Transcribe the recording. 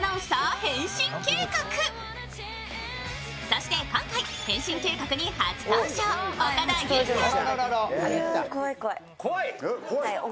そして今回、変身計画に初登場、岡田結実さん。